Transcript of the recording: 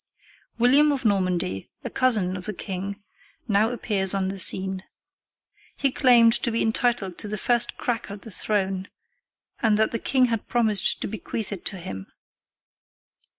William of Normandy, a cousin of the king, now appears on the scene. He claimed to be entitled to the first crack at the throne, and that the king had promised to bequeath it to him.